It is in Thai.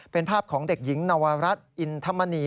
เป็นภาพของเด็กหญิงนวรัฐอินทมณี